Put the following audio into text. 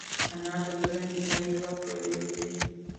انار د بدن دفاعي ځواک پیاوړی کوي.